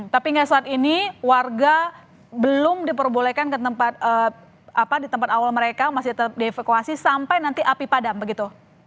tapi hingga saat ini warga belum diperbolehkan ke tempat awal mereka masih tetap dievakuasi sampai nanti api padam begitu